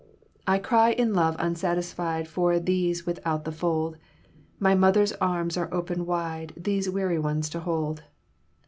I cry in love unsatisfied For these without the fold, My mother's arms are open wide These weary ones to hold.